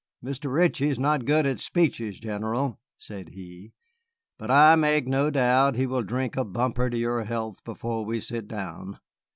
"Mr. Ritchie is not good at speeches, General," said he, "but I make no doubt he will drink a bumper to your health before we sit down.